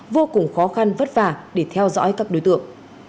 vô cùng khó khăn vất vả để theo dõi các đối tượng